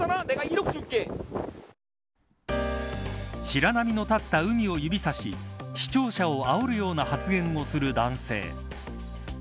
白波の立った海を指さし視聴者をあおるような発言を続ける男性。